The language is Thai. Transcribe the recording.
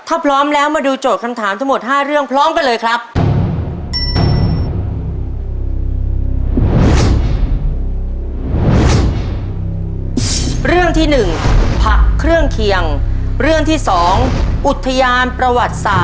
ถ้าพร้อมแล้วมาดูโจทย์คำถามทั้งหมด๕เรื่องพร้อมกันเลยครับ